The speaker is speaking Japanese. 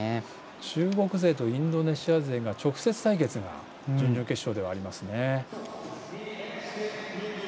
中国勢とインドネシア勢が直接対決が準々決勝ではあります。